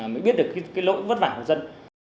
mình biết được cái lỗi vất vả của dân